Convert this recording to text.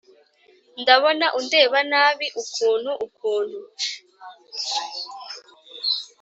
ndabona undeba nabi ukuntu ukuntu